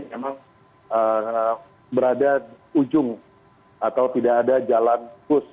memang berada ujung atau tidak ada jalan pus